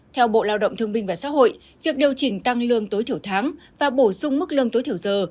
theo bộ lao động thương binh và xã hội việc điều chỉnh tăng lương tối thiểu tháng và bổ sung mức lương tối thiểu giờ